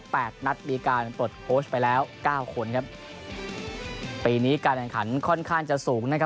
แปดนัดมีการปลดโค้ชไปแล้วเก้าคนครับปีนี้การแข่งขันค่อนข้างจะสูงนะครับ